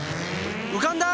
うかんだ！